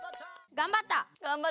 がんばった。